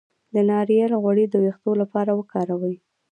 د ناریل غوړي د ویښتو لپاره وکاروئ